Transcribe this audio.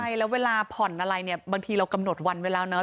ใช่แล้วเวลาผ่อนอะไรเนี่ยบางทีเรากำหนดวันไว้แล้วเนาะ